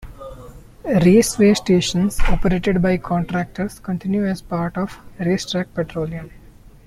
RaceWay stations, operated by contractors, continue as a part of RaceTrac Petroleum.